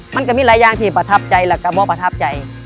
มันก็มีหลายอย่างที่ประทับใจแล้วก็ว่าประทับใจ